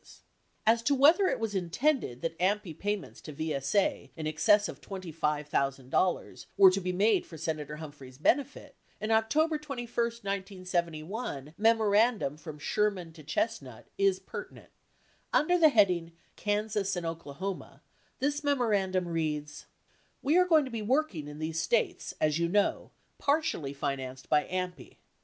As to whether it was intended that AMPI payments to VSA in excess of $25,000 were to be for Senator Humphrey's benefit, an Oc tober 21, 1971, memorandum from Sherman to Chestnut is pertinent. Under the heading "Kansas and Oklahoma," this memorandum reads : We are going to be working in these states, as you know, partially financed by AMPI.